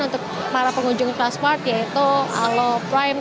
untuk para pengunjung klas part yaitu alo prime